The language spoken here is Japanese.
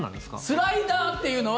スライダーっていうのは。